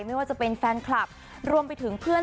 ไม่ว่าจะเป็นแฟนคลับรวมไปถึงเพื่อน